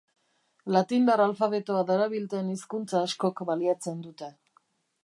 Latindar alfabetoa darabilten hizkuntza askok baliatzen dute.